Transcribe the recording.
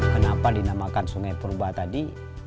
kenapa dinamakan sungai purba tadi